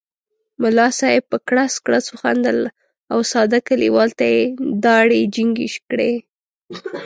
ملا صاحب په کړس کړس وخندل او ساده کلیوال ته یې داړې جینګې کړې.